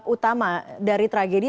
penyebab utama dari tragedi